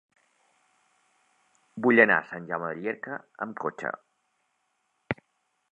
Vull anar a Sant Jaume de Llierca amb cotxe.